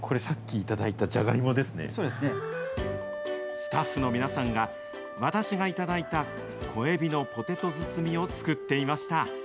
スタッフの皆さんが、私が頂いた小エビのポテト包みを作っていました。